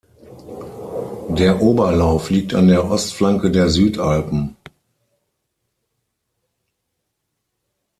Der Oberlauf liegt an der Ostflanke der Südalpen.